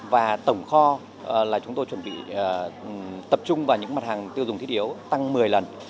và tổng kho là chúng tôi chuẩn bị tập trung vào những mặt hàng tiêu dùng thiết yếu tăng một mươi lần